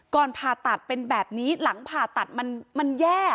ผ่าตัดเป็นแบบนี้หลังผ่าตัดมันแย่